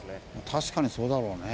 確かにそうだろうね。